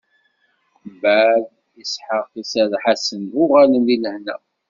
Mbeɛd, Isḥaq iserreḥ-asen, uɣalen di lehna.